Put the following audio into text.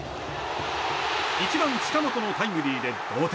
１番、近本のタイムリーで同点。